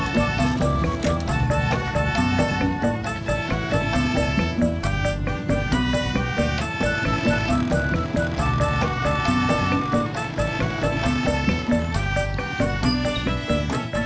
jalan jalan men